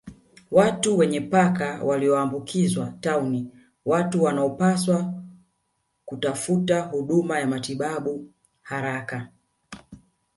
Watu wenye paka walioambukizwa tauni Watu wanaopaswa kutafuta huduma ya matibabu haraka